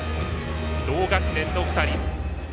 同学年の２人。